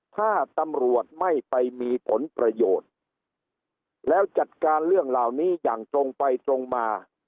ถ้าตำรวจไม่ไปมีผลประโยชน์แล้วจัดการเรื่องเหล่านี้อย่างตรงไปตรงมา